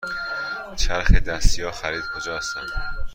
چرخ دستی های خرید کجا هستند؟